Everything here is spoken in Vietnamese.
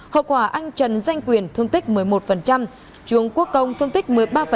hậu quả anh trần danh quyền thương tích một mươi một trường quốc công thương tích một mươi ba